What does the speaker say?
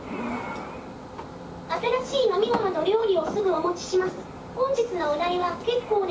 新しい飲み物と料理をすぐお持ちします。